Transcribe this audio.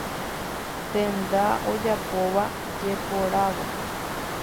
Tenda ojapóva jeporavo.